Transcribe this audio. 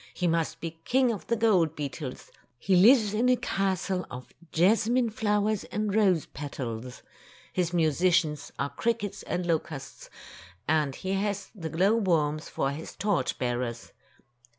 "He must be King of the gold beetles. He lives in a castle of jasmine flowers and rose petals. His musi cians are crickets and locusts, and he has the glow worms for his torch bearers."